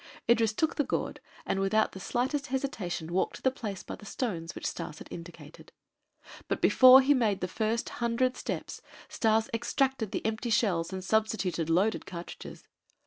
Idris took the gourd and without the slightest hesitation walked to the place by the stones which Stas had indicated. But before he made the first hundred steps, Stas extracted the empty shells and substituted loaded cartridges.